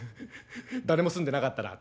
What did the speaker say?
フフフ誰も住んでなかったら」。